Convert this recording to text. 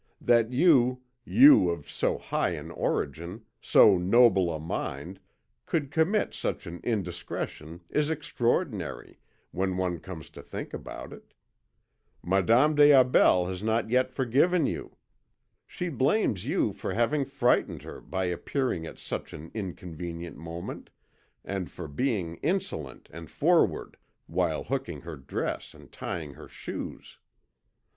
That you, you of so high an origin, so noble a mind, could commit such an indiscretion is extraordinary, when one comes to think about it. Madame des Aubels has not yet forgiven you. She blames you for having frightened her by appearing at such an inconvenient moment, and for being insolent and forward while hooking her dress and tying her shoes.